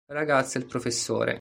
La ragazza e il professore